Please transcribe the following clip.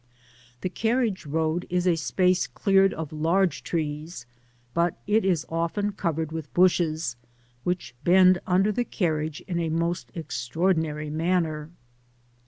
The car* riage rood is a space cleared of large trees, but it is often covered with bushes, which bend under the carriage in a most extraordinary mani^r.